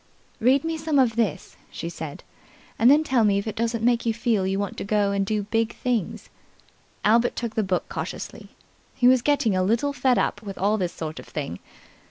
"Read me some of this," she said, "and then tell me if it doesn't make you feel you want to do big things." Albert took the book cautiously. He was getting a little fed up with all this sort of thing.